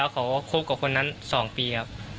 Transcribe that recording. แล้วขอคบกับคนนั้น๒ปี